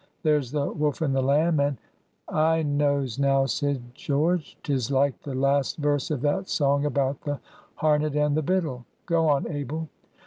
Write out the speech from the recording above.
There's the Wolf and the Lamb, and"— "I knows now," said George. "'Tis like the last verse of that song about the Harnet and the Bittle. Go on, Abel."